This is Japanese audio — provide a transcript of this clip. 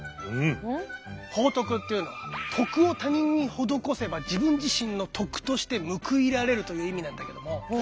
報徳っていうのは徳を他人に施せば自分自身の徳として報いられるという意味なんだけども。